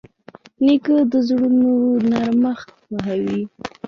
نیکه د زړونو نرمښت خوښوي.